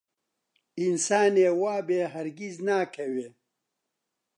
ئینسانێ وابێ هەرگیز ناکەوێ